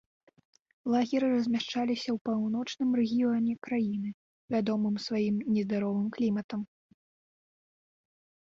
Лагеры размяшчаліся ў паўночным рэгіёне краіны, вядомым сваім нездаровым кліматам.